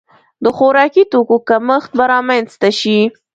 د خوراکي توکو کمښت به رامنځته شي.